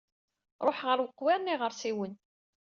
Ṛuḥeɣ ar weqwiṛ n iɣersiwen.